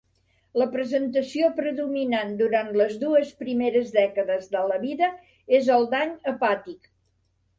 La presentació predominant durant les dues primeres dècades de la vida és el dany hepàtic.